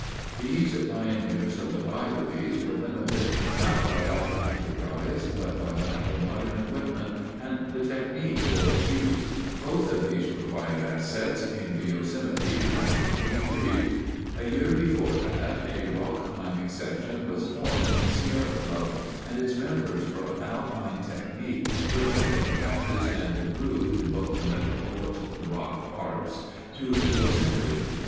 "These pioneers of the byways were limited, not by lack of enterprise, but by lack of modern equipment and the technique for its use; both of these required assets came to Yosemite in 1933. A year before that a Rock Climbing Section was formed in the Sierra Club, and its members brought Alpine technique, which they had practiced and improved in local metropolitan rock parks, to Yosemite.